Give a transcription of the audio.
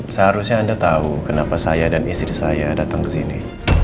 seharusnya anda tau kenapa saya dan istri saya datang kesini